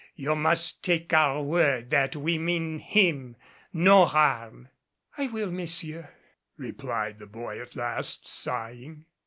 You must take our word that we mean him no harm." "I will, messieurs," replied the boy at last, sighing.